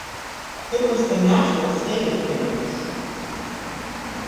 It was the natural state of things.